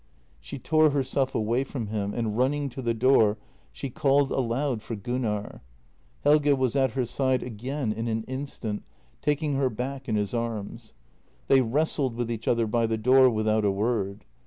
She tore herself away from him and, running to the door, she called aloud for Gunnar. Helge was at her side again in an instant, taking her back in his arms. They wrestled with each other by the door without a word.